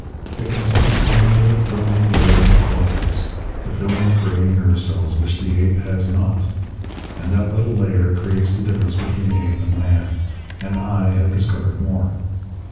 It consists only of a filmy layer of cortex, a film of gray nerve cells which the ape has not. And that little layer creates the difference between ape and man. And I have discovered more.